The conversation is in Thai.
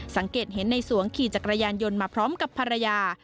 สังเกตเห็นในสวงขี่จักรยานยนต์มาพร้อมกับภรรยา